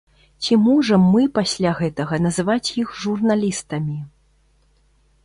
Ці можам мы пасля гэтага называць іх журналістамі?